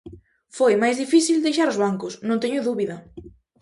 Foi máis difícil deixar os bancos, non teño dúbida.